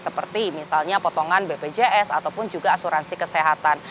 seperti misalnya potongan bpjs ataupun juga asuransi kesehatan